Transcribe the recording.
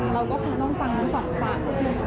เราก็คงต้องฟังทั้งสองฝั่ง